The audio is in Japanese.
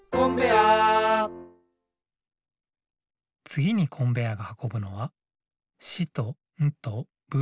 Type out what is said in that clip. つぎにコンベアーがはこぶのは「し」と「ん」と「ぶ」。